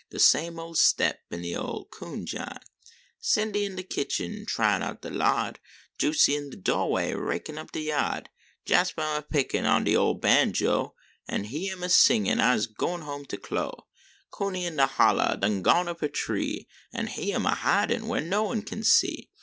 De same ole step in de ole coonjine. Cindy in de kitchen tryin out de lard, Jnsy in de do way, rakin up de yard, Jaspah am a pickin on de ole banjo An he am a singin " Ise gwine home to Clo." Coonie in de holler done gone up a tree. An he am a hidin \\har no one can see.